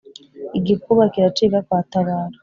igikuba kiracika kwa tabaro